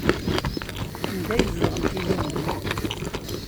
Anda ay zedɣent ilindi?